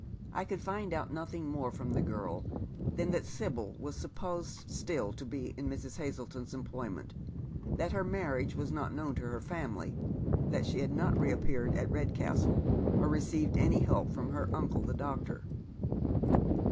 I could find out nothing more from the girl than that Sibyl was supposed still to be in Mrs. Hazleton's employment — that her marriage was not known to her family, that she had not reappeared at Redcastle, or received any help from her ancle the doctor.